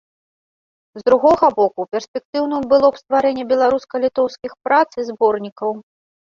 З другога боку, перспектыўным было б стварэнне беларуска-літоўскіх прац і зборнікаў.